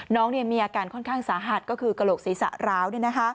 น้องมีอาการค่อนข้างสาหัสก็คือกระโหลกศีรษะร้าว